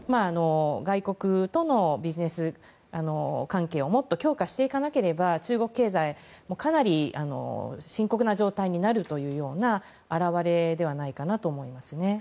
外国とのビジネス関係をもっと強化していかなければ中国経済、かなり深刻な状態になるというような表れではないかなと思いますね。